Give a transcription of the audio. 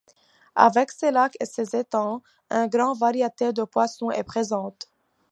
Avec ses lacs et ses étangs, une grande variété de poissons est présente.